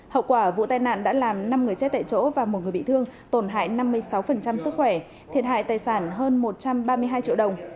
hậu quả vụ tai nạn đã làm năm người chết tại chỗ và một người bị thương tổn hại năm mươi sáu sức khỏe thiệt hại tài sản hơn một trăm ba mươi hai triệu đồng